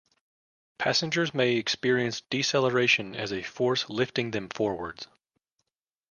Passengers may experience deceleration as a force lifting them forwards.